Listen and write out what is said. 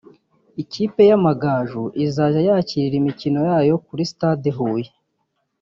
ikipe y’Amagaju izajya yakirira imikino yayo ku ri Stade Huye